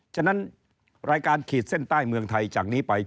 ฉะนั้นรายการขีดเส้นใต้เมืองไทยจากนี้ไป